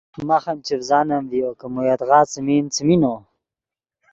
ماخ ام چڤزانم ڤیو کہ مو یدغا څیمین، څیمین نو